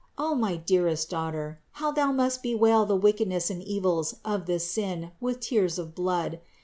417. O my dearest daughter! How thou must bewail the wickedness and evils of this sin with tears of blood!